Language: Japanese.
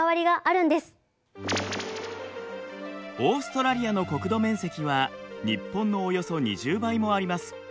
オーストラリアの国土面積は日本のおよそ２０倍もあります。